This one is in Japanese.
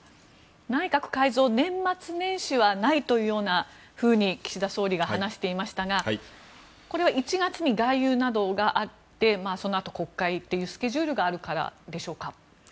内閣改造は年末年始はないというふうに岸田総理が話していましたがこれは１月に外遊などがあってそのあと国会というスケジュールがあるからでしょうか。